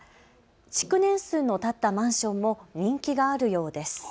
築年数のたったマンションも人気があるようです。